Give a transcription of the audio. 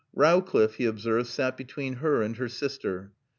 Rowcliffe, he observed, sat between her and her sister.